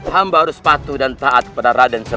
hamba harus patuh dan taat kepada raden